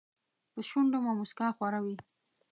په شونډو مو موسکا خوره وي .